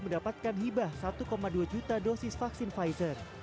mendapatkan hibah satu dua juta dosis vaksin pfizer